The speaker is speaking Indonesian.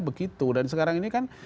begitu dan sekarang ini kan